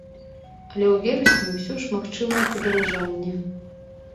Але ў верасні ўсё ж магчымае падаражанне.